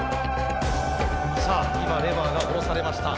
さあ今レバーが下ろされました。